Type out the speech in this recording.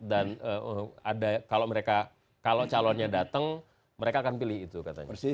dan kalau calonnya datang mereka akan pilih itu katanya